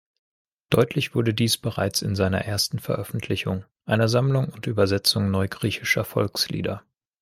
Deutlich wurde dies bereits in seiner ersten Veröffentlichung, einer Sammlung und Übersetzung neugriechischer Volkslieder.